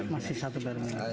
masih satu darun